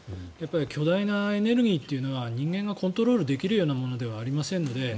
巨大なエネルギーというのは人間がコントロールできるようなものではありませんので。